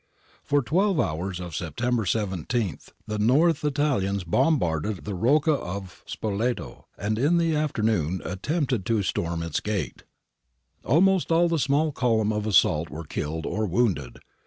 For twelve hours of September 17 the North Italians bombarded the Rocca of Spoleto, and in the after noon attempted to storm its gate. Almost all the small column of assault were killed or wounded.